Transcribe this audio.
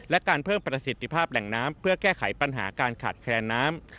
และการเพิ่มประสิทธิภาพแหล่งน้ำเพื่อแก้ไขปัญหาการขาดแคลนน้ำ